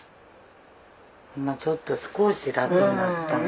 今ちょっと少し楽になったね。